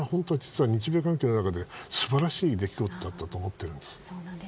日米関係の中で本当に素晴らしい出来事だと思っています。